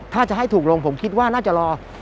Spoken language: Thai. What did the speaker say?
ถ้าจะให้ถูกลงผมคิดว่าน่าจะรอ